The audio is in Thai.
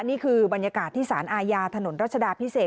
นี่คือบรรยากาศที่สารอาญาถนนรัชดาพิเศษ